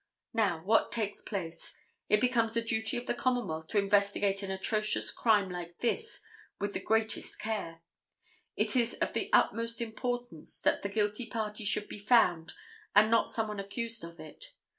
Now, what takes place? It becomes the duty of the Commonwealth to investigate an atrocious crime like this with the greatest care. It is of the utmost importance that the guilty party should be found and not someone accused of it.